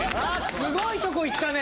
すごいとこいったね。